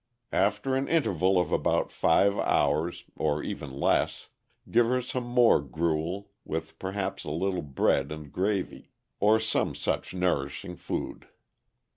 After an interval of about five hours, or even less, give her some more gruel, with perhaps a little bread and gravy, or some such nourishing food.